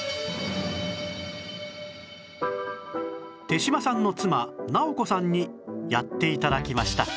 手島さんの妻尚子さんにやって頂きました